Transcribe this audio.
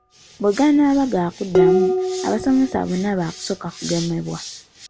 Bwe ganaaba gakuddamu abasomesa bonna baakusooka kugemebwa.